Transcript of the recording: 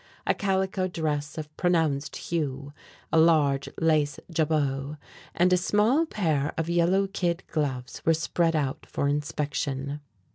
A calico dress of pronounced hue, a large lace jabot, and a small pair of yellow kid gloves were spread out for inspection.